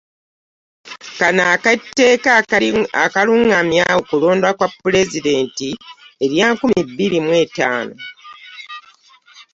Kano ak'etteeka erirungamya okulonda kwa Pulezidenti erya nkumi bbiri mu etaano